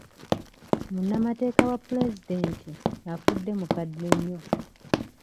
Munnamateeka wa pulezidenti afudde mukadde nnyo.